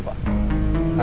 sudah tiga bulan ya